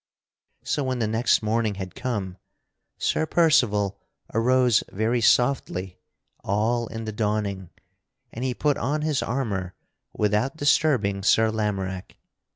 So when the next morning had come, Sir Percival arose very softly all in the dawning, and he put on his armor without disturbing Sir Lamorack.